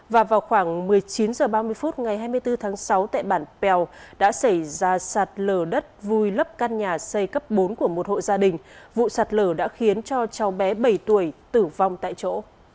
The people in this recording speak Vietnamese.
và vào khoảng một mươi chín h ba mươi phút ngày hai mươi bốn tháng sáu tại bản pèo đã xảy ra sạt lở đất vùi lấp căn nhà xây cấp bốn của một hộ gia đình vụ sạt lở đã khiến cho cháu bé bảy tuổi tử vong tại chỗ